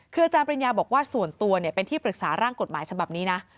คืออาจารย์ปริญญาบอกว่าส่วนตัวเป็นที่ปรึกษาร่างกฎหมายฉบับนี้นะ